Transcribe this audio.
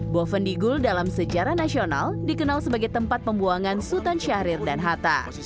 bovendigul dalam sejarah nasional dikenal sebagai tempat pembuangan sultan syahrir dan hatta